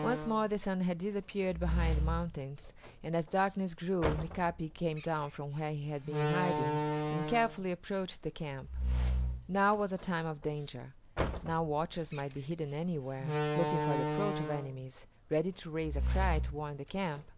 Once more the sun had disappeared behind the mountains, and as darkness grew Mika´pi came down from where he had been hiding and carefully approached the camp. Now was a time of danger. Now watchers might be hidden anywhere, looking for the approach of enemies, ready to raise a cry to warn the camp.